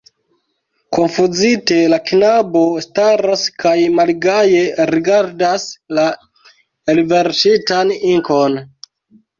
Konfuzite la knabo staras kaj malgaje rigardas la elverŝitan inkon.